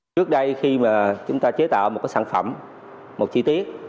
trước đây khi mà chúng ta chế tạo một sản phẩm một chi tiết